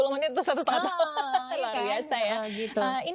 dua puluh menit untuk satu setengah tahun